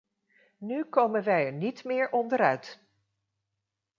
Nu komen wij er niet meer onderuit!